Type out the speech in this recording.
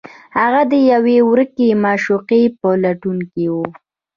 هغه د یوې ورکې معشوقې په لټون کې و